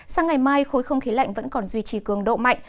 sang ngày mai khối không khí lạnh vẫn còn duy trì cường độ mạnh